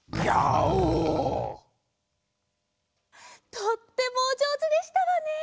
とってもおじょうずでしたわね！